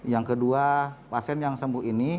yang kedua pasien yang sembuh ini